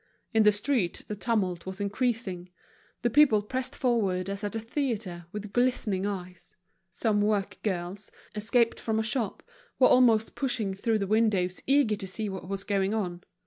In the street the tumult was increasing; the people pressed forward as at a theatre, with glistening eyes; some work girls, escaped from a shop, were almost pushing through the windows eager to see what was going on.